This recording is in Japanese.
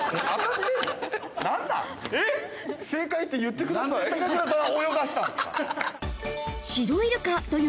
正解って言ってください！